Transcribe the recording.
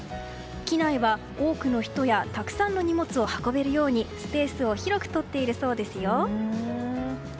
機内は多くの人やたくさんの荷物を運べるようにスペースを広くとっているそうですよ。